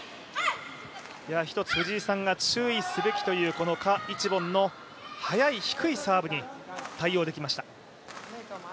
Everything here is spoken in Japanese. １つ、藤井さんが注意すべきという賈一凡の速い、低いサーブに対応できました。